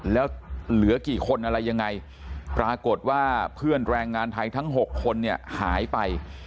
แล้วเหลือกี่คนอะไรยังไงปรากฏว่าเพื่อนแรงงานไทยทั้ง๖คนเนี่ยหายไป